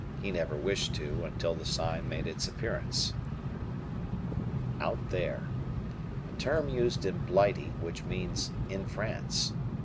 He never wished to until the sign made its appearance. "Out there." A term used in Blighty which means "in France."